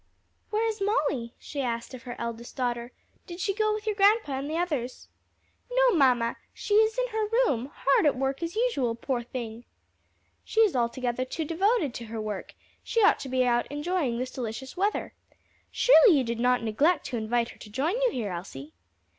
"Where is Molly?" she asked of her eldest daughter; "did she go with your grandpa and the others?" "No, mamma, she is in her room, hard at work as usual, poor thing!" "She is altogether too devoted to her work; she ought to be out enjoying this delicious weather. Surely you did not neglect to invite her to join you here, Elsie?"